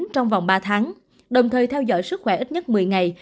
trong vòng ba tháng đồng thời theo dõi sức khỏe ít nhất một mươi ngày